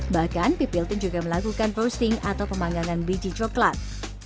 bahkan pipil pun juga melakukan posting atau pemanggangan biji coklat